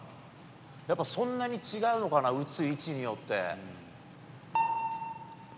やっぱりそんなに違うのかな、打つ位置によって。